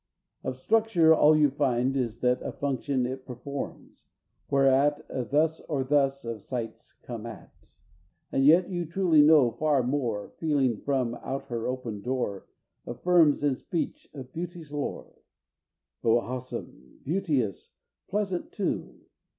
IV. Of structure, all you find is that A function it performs, whereat A thus or thus of sight's come at. And yet you truly know far more Feeling from out her open door Affirms, in speech of beauty's lore: "O, awesome!" "beauteous!" "pleasant too!"